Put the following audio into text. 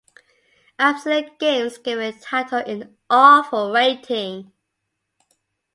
Absolute Games gave the title an "awful" rating.